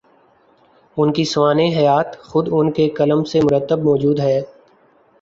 ان کی سوانح حیات، خود ان کے قلم سے مرتب موجود ہے۔